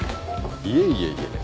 いえいえいえ。